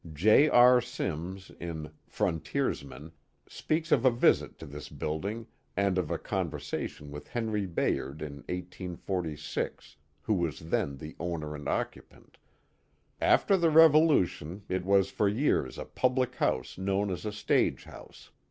J. R. Simms, in Frontiersmen^ speaks of a visit to this building and of a conversation with Henry Bayard in 1846, who was then the owner and occupant. After the revolu tion it was for years a public house known as a stage house.